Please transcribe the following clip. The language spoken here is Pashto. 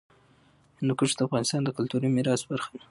هندوکش د افغانستان د کلتوري میراث برخه ده.